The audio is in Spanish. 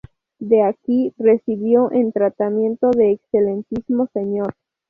De aquí recibió en tratamiento de Excelentísimo Señor.